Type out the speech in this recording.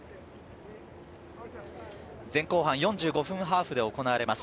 前後半４５分ハーフで行われます。